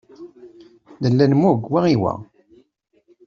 Nella nemmug wa i wa.